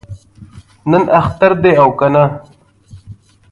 نن اختر دی او کنه؟